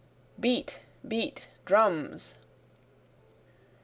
Beat! Beat! Drums!